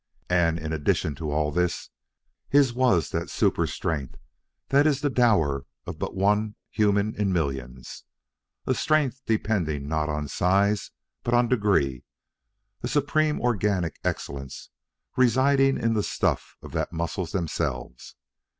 And in addition to all this, his was that super strength that is the dower of but one human in millions a strength depending not on size but on degree, a supreme organic excellence residing in the stuff of the muscles themselves.